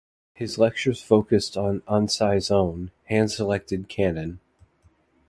His lectures focused on Ansai's own, hand selected canon.